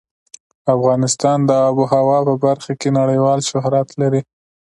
افغانستان د آب وهوا په برخه کې نړیوال شهرت لري.